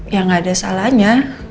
ya nggak ada salahnya